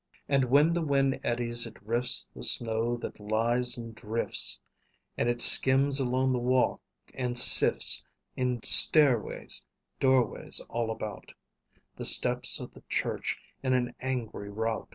And when the wind eddies it rifts The snow that lies in drifts; And it skims along the walk and sifts In stairways, doorways all about The steps of the church in an angry rout.